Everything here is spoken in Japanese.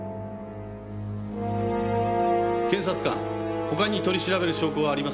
検察官他に取り調べる証拠はありますか？